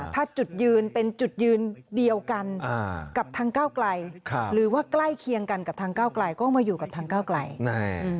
ถ้าจุดยืนเป็นจุดยืนเดียวกันกับทางก้าวไกลหรือว่าใกล้เคียงกันกับทางก้าวไกลก็มาอยู่กับทางก้าวไกลนะฮะ